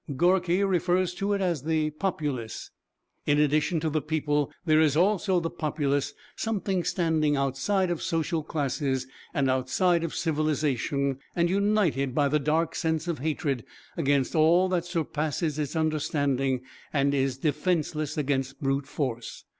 Gorky refers to it as "the populace": "In addition to the people, there is also the 'populace,' something standing outside of social classes and outside of civilisation, and united by the dark sense of hatred against all that surpasses its understanding and is defenceless against brute force.